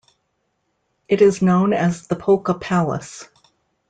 It is known as The Polka Palace.